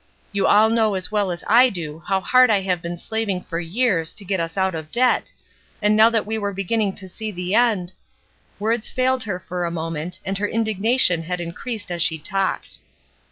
You all know as well 358 ESTER RIED'S NAMESAKE as I do how hard I have been slaving for years to get us out of debt, and now that we were beginning to see the end " Words failed her for a moment, and her indignation had increased as she talked.